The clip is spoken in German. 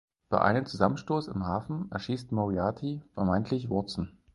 Bei einem Zusammenstoß im Hafen erschießt Moriarty vermeintlich Watson.